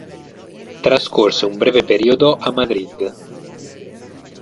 Trascorse un breve periodo a Madrid.